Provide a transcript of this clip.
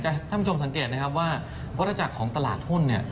ถ้าผู้ชมสังเกตว่าวัฒนาจักรของตลาดหุ้น